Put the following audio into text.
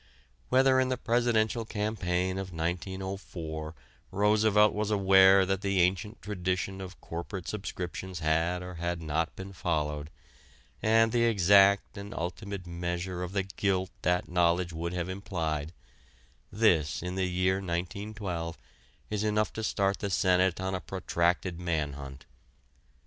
Whether in the Presidential Campaign of 1904 Roosevelt was aware that the ancient tradition of corporate subscriptions had or had not been followed, and the exact and ultimate measure of the guilt that knowledge would have implied this in the year 1912 is enough to start the Senate on a protracted man hunt.